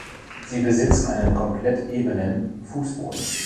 Sie besitzen einen komplett ebenen Fußboden.